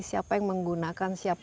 tapi jika kita lihat para allah